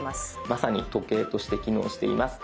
まさに時計として機能しています。